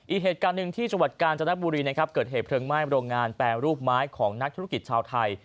อีกเหตุการณ์หนึ่งที่จังหวัดกาญจนบุรีนะครับเกิดเหตุเพลิงไหม้โรงงานแปรรูปไม้ของนักธุรกิจชาวไทย